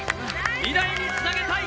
未来につなげたい。